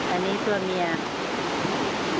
อันนี้ตัวเมีย